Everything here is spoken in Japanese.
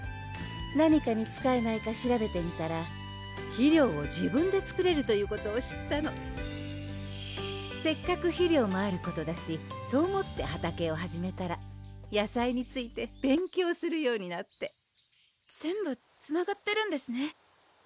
何かに使えないか調べてみたら肥料を自分で作れるということを知ったのせっかく肥料もあることだしと思って畑を始めたら野菜について勉強するようになって全部つながってるんですね